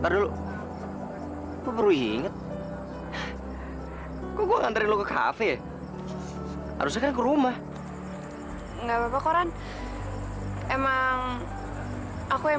baru baru inget kok ngantri lo ke cafe harusnya ke rumah enggak papa koran emang aku